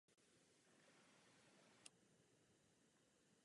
Ve své premiérové sezoně obdržel Calder Memorial Trophy pro nejlepšího nováčka.